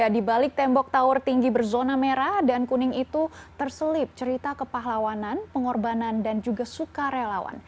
di balik tembok tower tinggi berzona merah dan kuning itu terselip cerita kepahlawanan pengorbanan dan juga sukarelawan